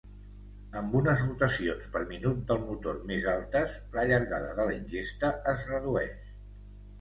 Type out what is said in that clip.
Amb unes rotacions per minut del motor més altes, la llargada de la ingesta es redueix.